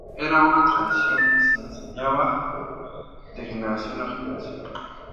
Era una tradición que se enseñaba de generación a generación.